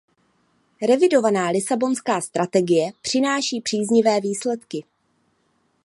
Revidovaná Lisabonská strategie přináší příznivé výsledky.